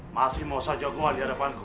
masih mau saja gue di hadapanku